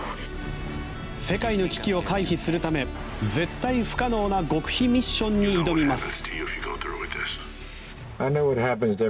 世界の危機を回避するため絶対不可能な極秘ミッションに挑みます。